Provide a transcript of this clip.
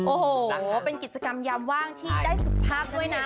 โอ้โหเป็นกิจกรรมยามว่างที่ได้สุขภาพด้วยนะ